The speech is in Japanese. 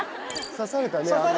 刺されたね。